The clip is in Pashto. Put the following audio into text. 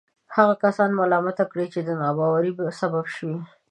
هغه کسان ملامته کړي چې د ناباورۍ سبب شوي.